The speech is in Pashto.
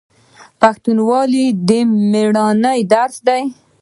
پښتونولي د میړانې درس دی.